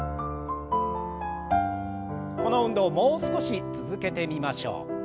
この運動をもう少し続けてみましょう。